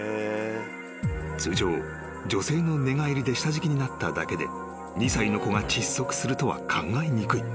［通常女性の寝返りで下敷きになっただけで２歳の子が窒息するとは考えにくい。